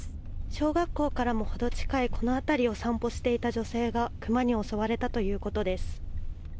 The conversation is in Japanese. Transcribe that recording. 小学校からもほど近いこの辺りを散歩していた女性がクマに襲われたということです。